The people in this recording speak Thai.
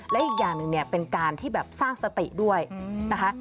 และอีกอย่างหนึ่งเนี่ยเป็นการที่แบบสร้างสติด้วยนะคะ